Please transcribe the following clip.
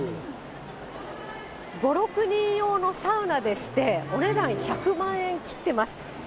５、６人用のサウナでして、お値段１００万円切ってます。